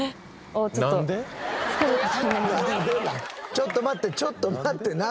ちょっと待ってちょっと待ってなんで？